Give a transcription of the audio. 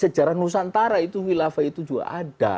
sejarah nusantara itu khilafah itu juga ada